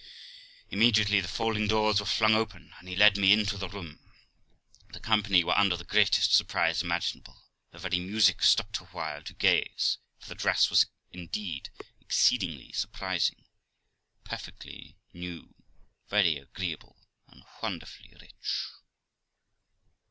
Immediately the folding doors were flung open, and he led me into the room. The company were under the greatest surprise imaginable; the very music stopped awhile to gaze, for the dress was indeed exceedingly surprising, perfectly new, very agreeable, and wonderful rich.